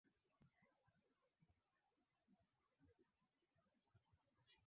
Sindano ilimdunga kwenye kisigino